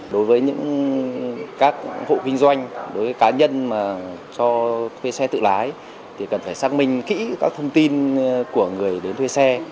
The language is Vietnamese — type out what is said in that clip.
đối với những các hộ kinh doanh đối với cá nhân mà cho thuê xe tự lái thì cần phải xác minh kỹ các thông tin của người đến thuê xe